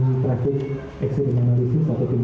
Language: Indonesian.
kemungkinan dari jenis error atau kegagian